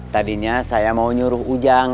tadinya saya mau nyuruh ujang